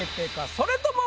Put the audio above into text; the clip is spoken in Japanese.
それとも。